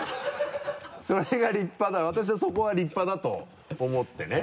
その辺が立派だ私はそこは立派だと思ってね。